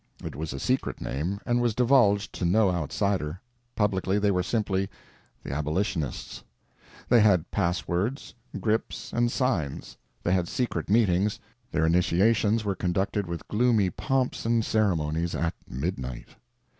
It was a secret name, and was divulged to no outsider; publicly they were simply the abolitionists. They had pass words, grips, and signs; they had secret meetings; their initiations were conducted with gloomy pomps and ceremonies, at midnight.